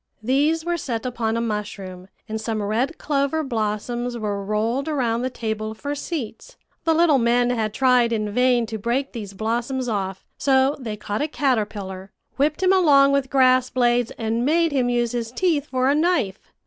These were set upon a mushroom, and some red clover blossoms were rolled around the table for seats. The little men had tried in vain to break these blossoms off; so they caught a caterpillar, whipped him along with grass blades, and made him use his teeth for a knife.